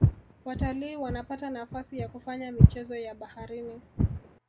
watalii wanapata nafasi ya kufanya michezo ya baharini